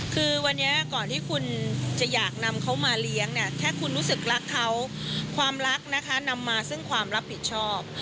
คือวันนี้ก่อนที่คุณจะอยากนำเขามาเลี้ยงเนี่ยถ้าคุณรู้สึกรักเขาความรักนะคะนำมาซึ่งความรับผิดชอบ